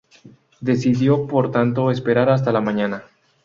Decidió por tanto esperar hasta la mañana.